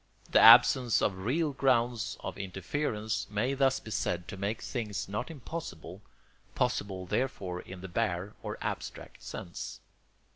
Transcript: The absence of real grounds of interference may thus be said to make things not impossible, possible therefore in the bare or abstract sense.